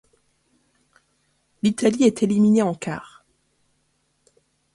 L'Italie est éliminée en quarts.